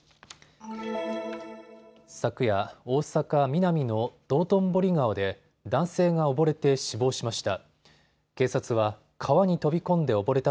昨夜、大阪ミナミの道頓堀川で男性が溺れて死亡しました。